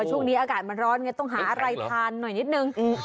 ช่วงนี้อากาศมันร้อนไงต้องหาอะไรทานหน่อยนิดนึง